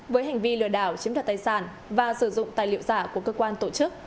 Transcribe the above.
với hành vi lừa đảo chiếm đoạt tài sản và sử dụng tài liệu giả của cơ quan tổ chức